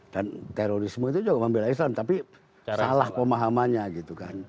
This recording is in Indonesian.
dan terorisme itu juga membela islam tapi salah pemahamannya gitu kan